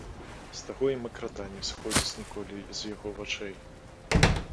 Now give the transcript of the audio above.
З таго і макрата не сходзіць ніколі з яго вачэй.